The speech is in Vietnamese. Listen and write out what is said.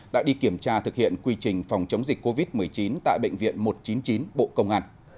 đã đi kiểm tra thực hiện quy trình phòng chống dịch covid một mươi chín tại bệnh viện một trăm chín mươi chín bộ công an